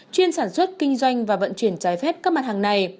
chuyên sản xuất kinh doanh và vận chuyển trái phép các mặt hàng này